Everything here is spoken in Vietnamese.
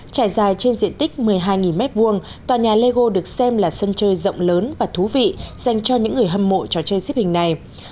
trải dài trên diện tích một mươi hai m hai tòa nhà lego được xem là sân chơi rộng lớn và thú vị dành cho những người hâm mộ trò chơi hình này